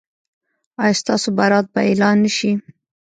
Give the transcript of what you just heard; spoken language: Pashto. ایا ستاسو برات به اعلان نه شي؟